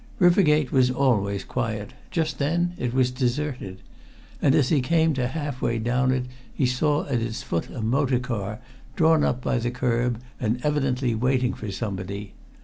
River Gate was always quiet; just then it was deserted. And as he came to half way down it, he saw at its foot a motor car, drawn up by the curb and evidently waiting for somebody.